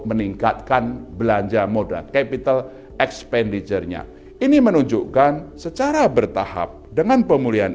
meningkatkan belanja modal capital expenditure nya ini menunjukkan secara bertahap dengan pemulihan